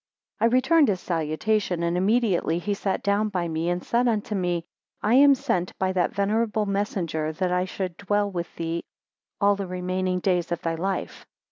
2 I returned his salutation, and immediately he sat down by me, and said unto me, I am sent by that venerable messenger, that I should dwell with thee all the remaining days of thy life.